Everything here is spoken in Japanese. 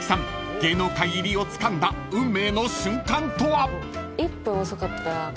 芸能界入りをつかんだ運命の瞬間とは］